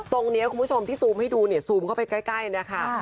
คุณผู้ชมที่ซูมให้ดูเนี่ยซูมเข้าไปใกล้นะคะ